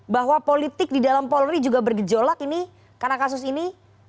bahwa politik di dalam polri juga bergejolak ini karena kasus ini